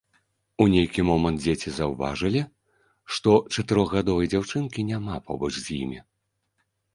У нейкі момант дзеці заўважылі, што чатырохгадовай дзяўчынкі няма побач з імі.